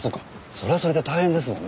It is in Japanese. それはそれで大変ですもんね。